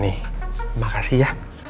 ani makasih ya